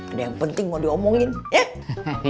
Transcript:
ada yang penting mau diomongin ya